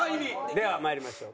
では参りましょう。